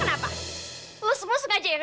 gue tahu lo segeng sama mereka